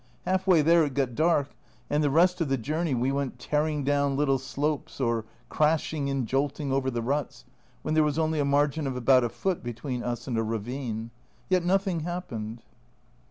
Half way there it got dark, and the rest of the journey we went tearing down little slopes or crashing and jolting over the ruts, when there was only a margin of about a foot between us and a ravine. Yet nothing happened.